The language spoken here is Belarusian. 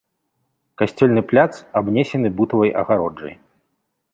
Касцёльны пляц абнесены бутавай агароджай.